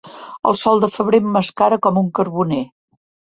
El sol de febrer emmascara com un carboner.